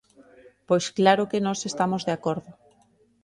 Pois claro que nós estamos de acordo.